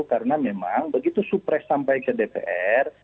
karena memang begitu supres sampai ke dpr